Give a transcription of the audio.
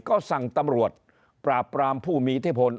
ก็สั่งตำรวจปราบปรามผู้มีอิทธิพล